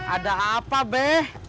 ada apa be